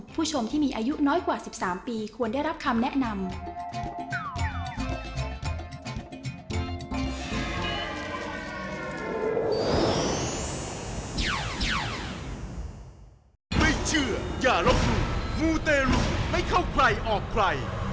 ผู้ชมที่มีอายุน้อยกว่า๑๓ปีควรได้รับคำแนะนำ